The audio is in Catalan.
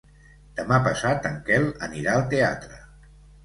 Demà passat en Quel anirà al teatre.